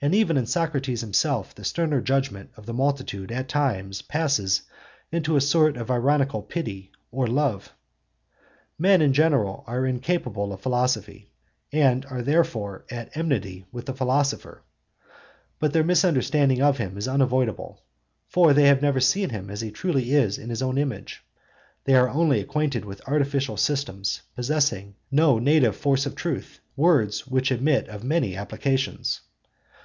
And even in Socrates himself the sterner judgement of the multitude at times passes into a sort of ironical pity or love. Men in general are incapable of philosophy, and are therefore at enmity with the philosopher; but their misunderstanding of him is unavoidable: for they have never seen him as he truly is in his own image; they are only acquainted with artificial systems possessing no native force of truth—words which admit of many applications.